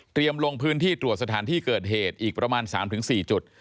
ลงพื้นที่ตรวจสถานที่เกิดเหตุอีกประมาณ๓๔จุด